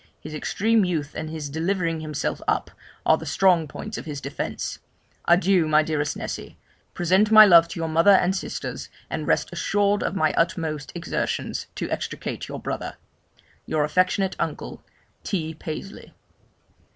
His extreme youth and his delivering himself up, are the strong points of his defence. Adieu! my dearest Nessy; present my love to your mother and sisters, and rest assured of my utmost exertions to extricate your brother. Your affectionate uncle, T. PASLEY.'